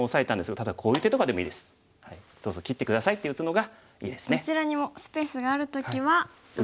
「どうぞ切って下さい」って打つのがいいですね。